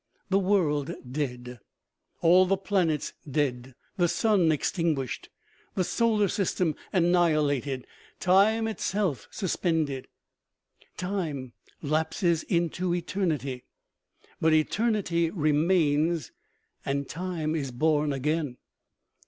The world dead, all the planets dead, the sun extin guished. The solar system annihilated, time itself sus pended. Time lapses into eternity. But eternity remains, and time is born again.